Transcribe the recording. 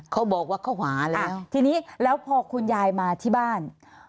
เขาบอกว่าเขาหาแล้วทีนี้แล้วพอคุณยายมาที่บ้าน